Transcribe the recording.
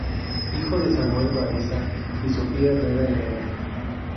Hijo de Samuel Baeza y Sofía Herrera Herrera.